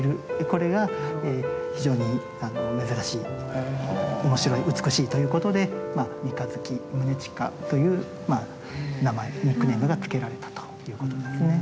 これが非常に珍しい面白い美しいということで「三日月宗近」という名前ニックネームが付けられたということですね。